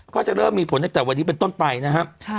ก็จะเริ่มมีผลตั้งแต่วันนี้เป็นต้นไปนะครับ